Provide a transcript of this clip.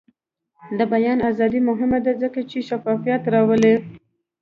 د بیان ازادي مهمه ده ځکه چې شفافیت راولي.